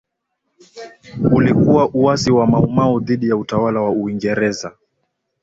Ulikuwa uasi wa Mau Mau dhidi ya utawala wa Uingereza